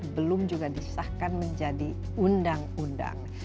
belum juga disahkan menjadi undang undang